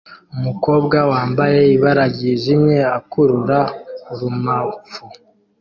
umukobwa wambaye ibara ryijimye akurura urumamfu